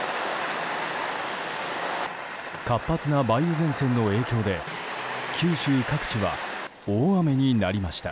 活発な梅雨前線の影響で九州各地は大雨になりました。